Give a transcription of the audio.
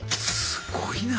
すごいな。